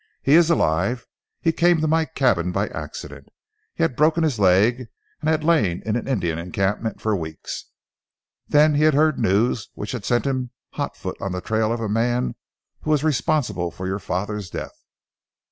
"He is alive! He came to my cabin by accident. He had broken his leg, and had lain in an Indian encampment for weeks. There he had heard news which had sent him hot foot on the trail of a man who was responsible for your father's death!"